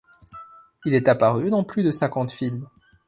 Il est apparu dans plus de cinquante films.